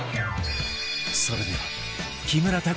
それでは木村拓哉